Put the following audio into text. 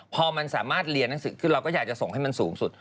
พอมันสามารถเรียนหนังสือคือเราก็อยากจะส่งให้มันสูงสุด